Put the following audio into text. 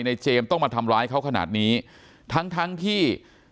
เจมส์ต้องมาทำร้ายเขาขนาดนี้ทั้งทั้งที่